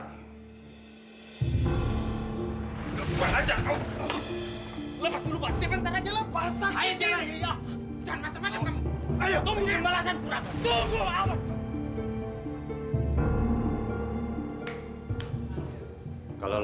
kebuka aja kau